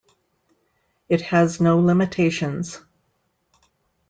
It has no limitations.